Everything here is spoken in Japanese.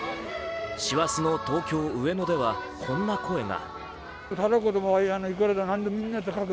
師走の東京・上野ではこんな声が。